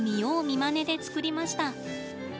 見まねで作りました。